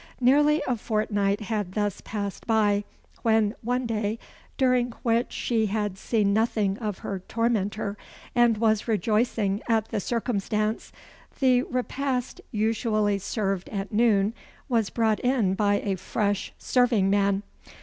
Nearly a fortnight had thus passed by, when, one day, during which she had seen nothing of her tormentor, and was rejoicing at the circumstance, the repast usually served at noon was brought in by a fresh serving man.